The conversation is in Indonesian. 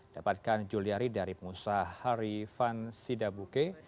dapatkan juliari dari pengusaha harifan sidabuke